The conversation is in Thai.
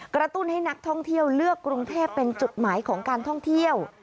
ตุ้นให้นักท่องเที่ยวเลือกกรุงเทพเป็นจุดหมายของการท่องเที่ยว